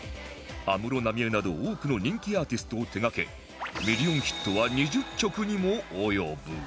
安室奈美恵など多くの人気アーティストを手がけミリオンヒットは２０曲にも及ぶ